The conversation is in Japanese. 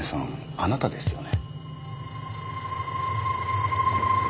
あなたですよね。